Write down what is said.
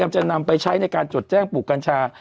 จะนำไปใช้ในการจดแจ้งปลูกกัญชา